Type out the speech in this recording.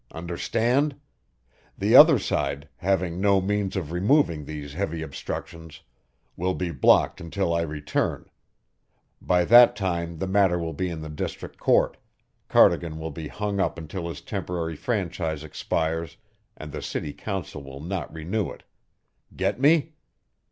Understand? The other side, having no means of removing these heavy obstructions, will be blocked until I return; by that time the matter will be in the District Court, Cardigan will be hung up until his temporary franchise expires and the city council will not renew it. Get me?"